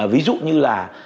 ví dụ như là